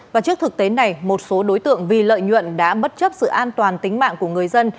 và trước thực tế này một số đối tượng vì lợi nhuận đã bất chấp sự an toàn tính mạng của người dân